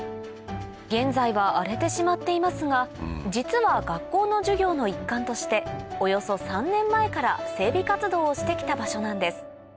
現在は荒れてしまっていますが実は学校の授業の一環としておよそ３年前から整備活動をしてきた場所なんです